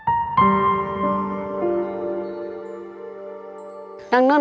แน่นอนเนื่องสณีด